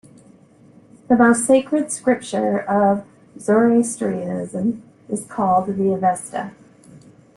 The most sacred scripture of Zoroastrianism is called the Avesta.